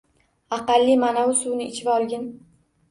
Aqalli manovi suvni ichvolgin